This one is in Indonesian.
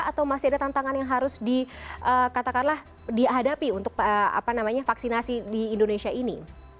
atau masih ada tantangan yang harus dikatakanlah dihadapi untuk vaksinasi di indonesia ini